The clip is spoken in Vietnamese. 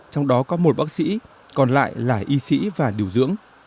trong đó có một bác sĩ còn lại là y sĩ và điều dưỡng